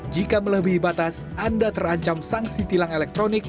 jika melebihi batas anda terancam sanksi tilang elektronik